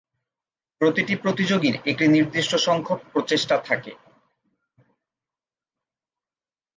প্রতিটি প্রতিযোগীর একটি নির্দিষ্ট সংখ্যক প্রচেষ্টা থাকে।